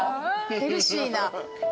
ヘルシーな。